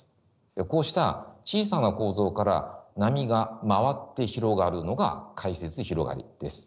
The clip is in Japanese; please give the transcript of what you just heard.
こうした小さな構造から波が回って広がるのが回折広がりです。